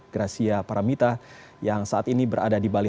gracia paramita yang saat ini berada di bali